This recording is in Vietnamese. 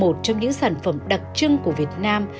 một trong những sản phẩm đặc trưng của việt nam